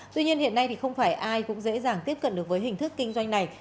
tuy nhiên hiện nay thì không phải ai cũng dễ dàng tiếp cận được với hình thức kinh doanh này